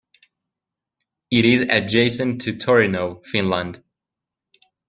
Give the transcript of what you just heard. It is adjacent to Tornio, Finland.